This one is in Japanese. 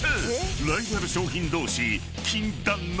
［ライバル商品同士］